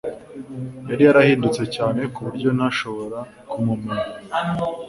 yari yarahindutse cyane kuburyo ntashobora kumumenya. (ck